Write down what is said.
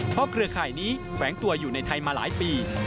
เพราะเครือข่ายนี้แฝงตัวอยู่ในไทยมาหลายปี